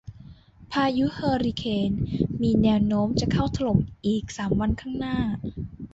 พายุเฮอริเคนมีมีแนวโน้มจะเข้าถล่มอีกสามวันข้างหน้า